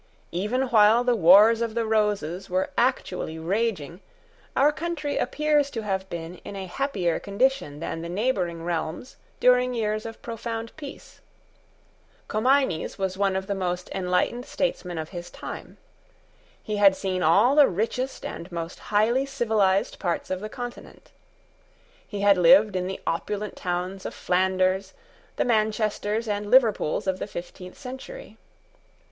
Even while the wars of the Roses were actually raging, our country appears to have been in a happier condition than the neighbouring realms during years of profound peace. Comines was one of the most enlightened statesmen of his time. He had seen all the richest and most highly civilised parts of the Continent. He had lived in the opulent towns of Flanders, the Manchesters and Liverpools of the fifteenth century.